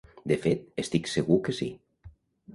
De fet, estic segur que sí.